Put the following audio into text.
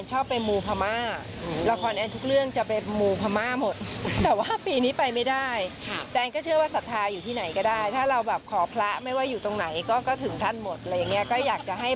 เชื่อไปฟังพี่แอนค่ะ